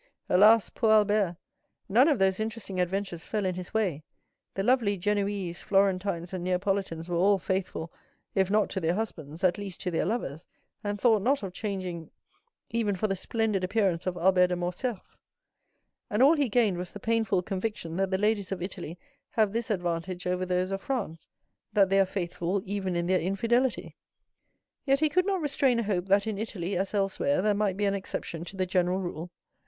Alas, poor Albert! None of those interesting adventures fell in his way; the lovely Genoese, Florentines, and Neapolitans were all faithful, if not to their husbands, at least to their lovers, and thought not of changing even for the splendid appearance of Albert de Morcerf; and all he gained was the painful conviction that the ladies of Italy have this advantage over those of France, that they are faithful even in their infidelity. Yet he could not restrain a hope that in Italy, as elsewhere, there might be an exception to the general rule.